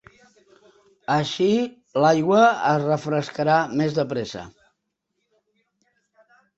Així l'aigua es refrescarà més de pressa.